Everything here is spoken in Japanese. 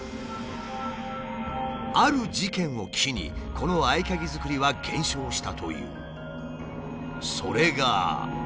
ある事件を機にこの合鍵作りは減少したという。